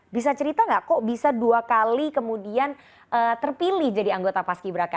bisa cerita nggak kok bisa dua kali kemudian terpilih jadi anggota paski braka